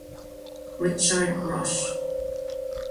Richard Rush